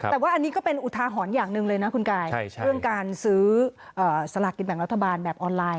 แต่ว่าอันนี้ก็เป็นอุทาหรณ์อย่างหนึ่งเลยนะคุณกายเรื่องการซื้อสลากกินแบ่งรัฐบาลแบบออนไลน